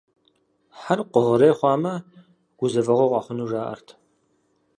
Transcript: Хьэр къугърей хъуамэ, гузэвэгъуэ къэхъуну, жаӀэрт.